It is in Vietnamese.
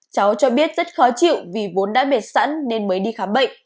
cháu cho biết rất khó chịu vì vốn đã biệt sẵn nên mới đi khám bệnh